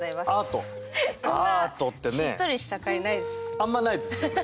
あんまないですよね。